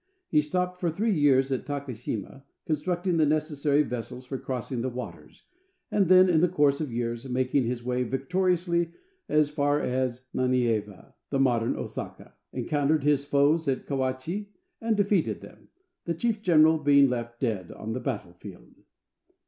He stopped for three years at Taka Shima, constructing the necessary vessels for crossing the waters, and then, in the course of years, making his way victoriously as far as Nanieva, the modern Osaka, encountered his foes at Kawachi, and defeated them, the chief general being left dead on the battle field.